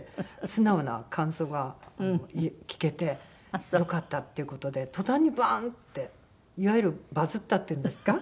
素直な感想が聞けてよかったっていう事で途端にバーン！っていわゆる「バズった」って言うんですか？